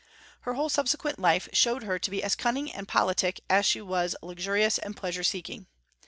Her whole subsequent life showed her to be as cunning and politic as she was luxurious and pleasure seeking.